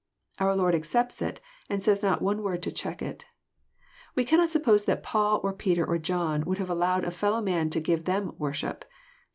Our Lord accepts itrand says not one word to check it. We cannot suppose that Paul oi*~?eter or John would have allowed a fellow man to give them "worship."